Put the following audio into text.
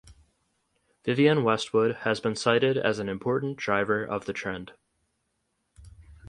Vivienne Westwood has been cited as an important driver of the trend.